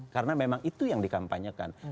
karena memang itu yang dikampanyekan